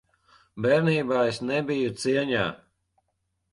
Bērnībā es nebiju cieņā.